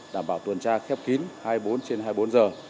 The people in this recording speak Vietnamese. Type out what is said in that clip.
đảm bảo tuần tra khép kín hai mươi bốn trên hai mươi bốn giờ